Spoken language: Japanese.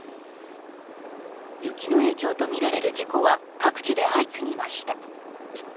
雪の影響とみられる事故は各地で相次ぎました。